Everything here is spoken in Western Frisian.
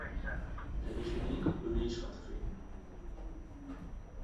Dêr is gjin inkeld bewiis foar te finen.